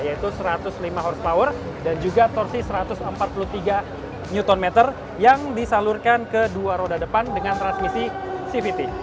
yaitu satu ratus lima hp dan juga torsi satu ratus empat puluh tiga nm yang disalurkan ke dua roda depan dengan transmisi cvt